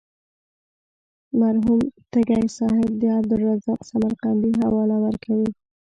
مرحوم تږی صاحب د عبدالرزاق سمرقندي حواله ورکوي.